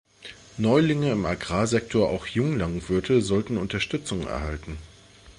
Neulinge im Agrarsektor, auch Junglandwirte, sollten Unterstützung erhalten.